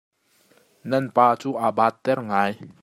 Nan pa cu aa paat ter ngai.